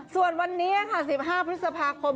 ส่วนวันนี้ค่ะ๑๕พฤษภาคม